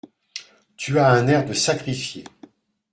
Tu as un air de sacrifié !